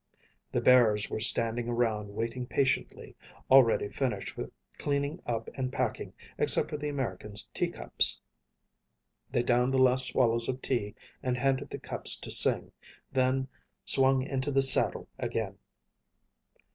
The bearers were standing around waiting patiently, already finished with cleaning up and packing, except for the Americans' teacups. They downed the last swallows of tea and handed the cups to Sing, then swung into the saddle again.